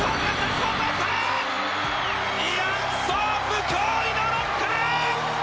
イアン・ソープ驚異の６冠！